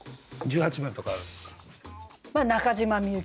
十八番とかあるんですか？